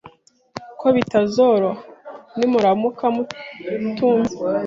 Ko bitazoroha ni muramuka mutumvise